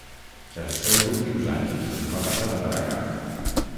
Els seus últims anys els va passar a Praga.